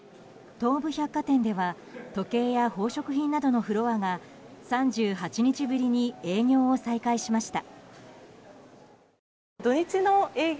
東武百貨店では時計や宝飾品などのフロアが３８日ぶりに営業を再開しました。